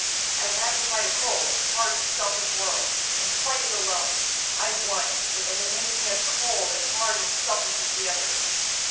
I've had to fight a cold, hard, selfish world, and fight it alone. I've won; but it has made me as cold, as hard and selfish as the others.